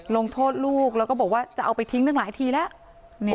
ลงโทษลูกแล้วก็บอกว่าจะเอาไปทิ้งตั้งหลายทีแล้ว